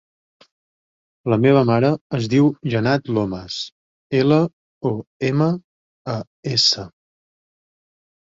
La meva mare es diu Janat Lomas: ela, o, ema, a, essa.